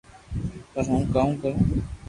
پر ھون ڪرو ڪاو